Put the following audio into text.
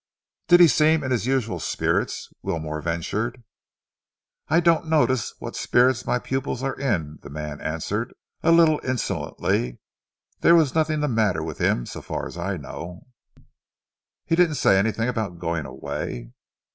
"Did he seem in his usual spirits?" Wilmore ventured. "I don't notice what spirits my pupils are in," the man answered, a little insolently. "There was nothing the matter with him so far as I know." "He didn't say anything about going away?"